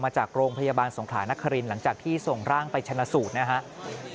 จากโรงพยาบาลสงขลานครินหลังจากที่ส่งร่างไปชนะสูตรนะครับ